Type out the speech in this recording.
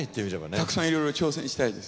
たくさんいろいろ挑戦したいです。